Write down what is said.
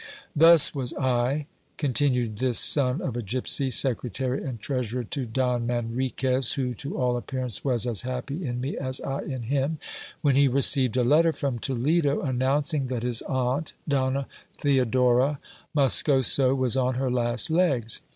Thus was I, continued this son of a gipsy, secretary and treasurer to Don Manriquez, who, to all appearance, was as happy in me as I in him, when he received a letter from Toledo, announcing that his aunt, Donna Theodora Mos coso, was on her last legs.